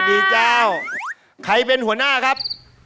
มีเกี่ยวกับเราใครเป็นหัวหน้าครับ